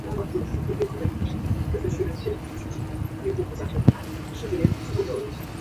厕所在下行线侧。